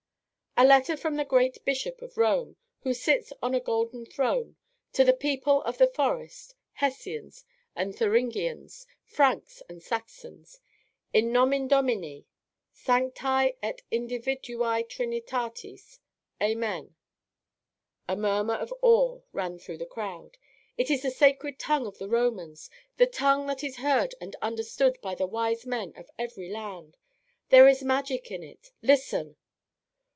"A letter from the great Bishop of Rome, who sits on a golden throne, to the people of the forest, Hessians and Thuringians, Franks and Saxons. In nomin Domini, sanctae et individuae Trinitatis, amen!" A murmur of awe ran through the crowd. "It is the sacred tongue of the Romans; the tongue that is heard and understood by the wise men of every land. There is magic in it. Listen!"